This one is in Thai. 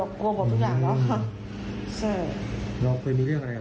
แล้วเกิดมีเรื่องอะไรเหรอ